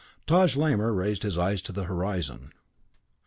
Taj Lamor raised his eyes to the horizon.